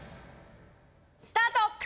スタート！